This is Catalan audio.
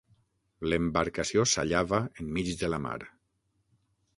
L'embarcació sallava enmig de la mar.